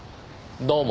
どうも。